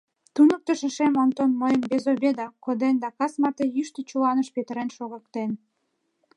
Туныктышо шем Онтон мыйым «без обеда» коден да кас марте йӱштӧ чуланыш петырен шогыктен.